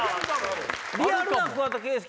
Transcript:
リアルな桑田佳祐！